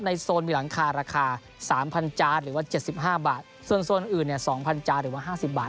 ในโซนมีหลังคาราคาสามพันจาหรือว่าเจ็ดสิบห้าบาทส่วนอื่นเนี่ยสองพันจาหรือว่าห้าสิบบาท